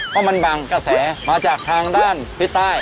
เพราะมันบางกระแสมาจากทางด้านทิศใต้